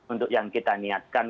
untuk yang kita niatkan